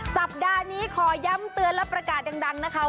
สัปดาห์นี้ขอย้ำเตือนและประกาศดังนะคะ